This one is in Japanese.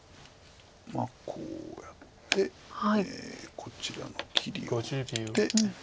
こうやってこちらの切りを打って。